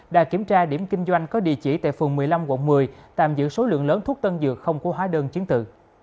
đã kiểm tra điểm kinh doanh có địa chỉ tại phường một mươi năm quận một mươi tạm giữ số lượng lớn thuốc tân dược không có hóa đơn chiến tự